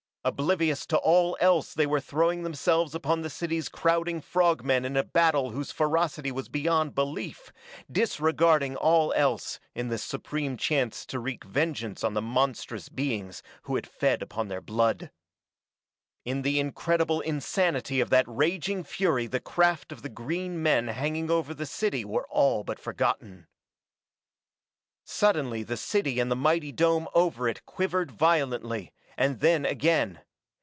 Oblivious to all else they were throwing themselves upon the city's crowding frog men in a battle whose ferocity was beyond belief, disregarding all else in this supreme chance to wreak vengeance on the monstrous beings who had fed upon their blood. In the incredible insanity of that raging fury the craft of the green men hanging over the city were all but forgotten. Suddenly the city and the mighty dome over it quivered violently, and then again.